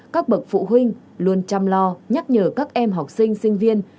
các bậc phụ huynh luôn chăm lo nhắc nhở các em học sinh sinh viên